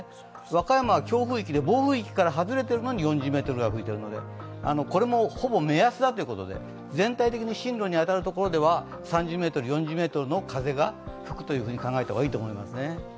和歌山は強風域で暴風域から外れているのに４０メートルが吹いているのでこれもほぼ目安だということで全体的に進路に当たるところでは３０ｍ、４０ｍの風が吹くと考えた方がいいと思います。